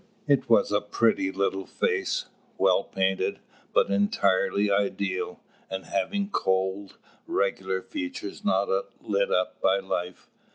It was a pretty little face, well painted, but entirely ideal, and having cold, regular features not lit up by life.